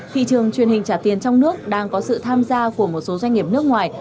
thị trường truyền hình trả tiền trong nước đang có sự tham gia của một số doanh nghiệp nước ngoài